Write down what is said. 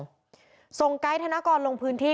ส่งไกด์ธนกรลงพื้นที่